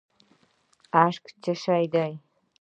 اشک څه شی دی؟